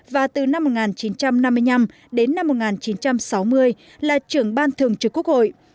và từ năm một nghìn chín trăm năm mươi năm đến năm một nghìn chín trăm sáu mươi là trưởng ban thường trực quốc hội